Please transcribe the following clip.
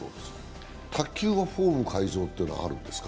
卓球はフォーム改造というのはあるんですか？